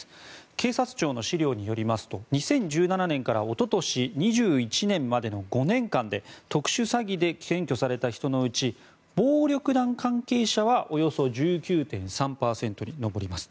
警察庁の資料によりますと２０１７年からおととし２１年までの５年間で特殊詐欺で検挙された人のうち暴力団関係者はおよそ１９．３％に上ります。